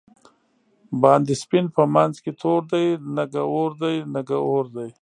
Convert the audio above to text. باندی سپین په منځ کی تور دی، نګه اوردی؛ نګه اوردی